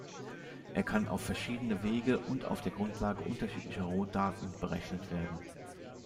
Er kann auf verschiedene Wege und auf der Grundlage unterschiedlicher Rohdaten berechnet werden.